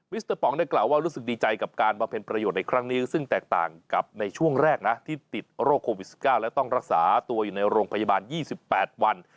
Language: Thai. สเตอร์ป๋องได้กล่าวว่ารู้สึกดีใจกับการบำเพ็ญประโยชน์ในครั้งนี้ซึ่งแตกต่างกับในช่วงแรกนะที่ติดโรคโควิด๑๙และต้องรักษาตัวอยู่ในโรงพยาบาล๒๘วัน